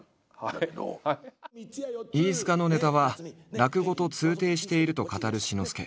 飯塚のネタは落語と通底していると語る志の輔。